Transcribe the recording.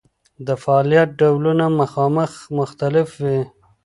د فعالیت ډولونه باید مختلف وي.